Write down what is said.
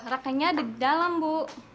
rakanya di dalam bu